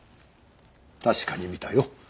確かに見たよ。